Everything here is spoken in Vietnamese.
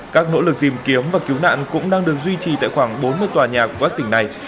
các nỗ lực tìm kiếm và cứu nạn cũng đang được duy trì tại khoảng bốn mươi tòa nhà của các tỉnh này